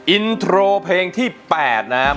อินโทรเพลงที่๘นะมูลค่า๓แสนบาทมาเลยครับ